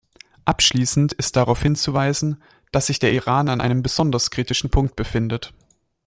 Abschließend ist darauf hinzuweisen, dass sich der Iran an einem besonders kritischen Punkt befindet.